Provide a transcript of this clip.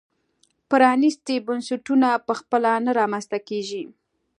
پرانیستي بنسټونه په خپله نه رامنځته کېږي.